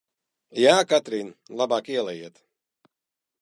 Jā, Katrīn, labāk ielejiet!